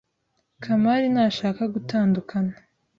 Kamari ntashaka gutandukana.